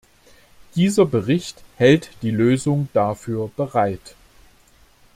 Dieser Bericht hält die Lösung dafür bereit.